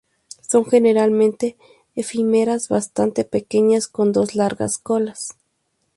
Son generalmente efímeras bastante pequeñas con dos largas colas.